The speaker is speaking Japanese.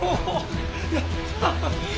やったー！